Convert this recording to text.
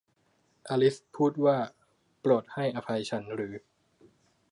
อลิซพูดว่า โปรดให้อภัยฉันหรือ